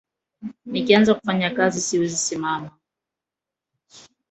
Nikianza kufanya kazi siwezi simama